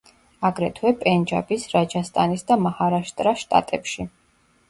აგრეთვე, პენჯაბის, რაჯასტანის და მაჰარაშტრას შტატებში.